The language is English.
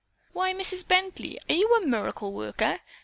"Why, Mrs. Bently, are you a miracle worker?"